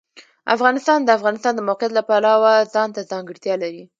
افغانستان د د افغانستان د موقعیت د پلوه ځانته ځانګړتیا لري.